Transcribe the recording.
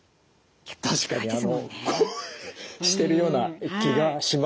たしかにこうしてるような気がします。